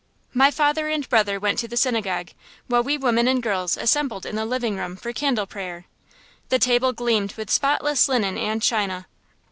My father and brother went to the synagogue, while we women and girls assembled in the living room for candle prayer. The table gleamed with spotless linen and china.